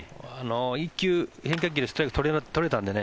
１球、変化球でストライクを取れたのでね。